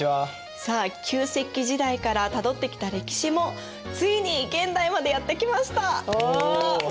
さあ旧石器時代からたどってきた歴史もついに現代までやって来ました！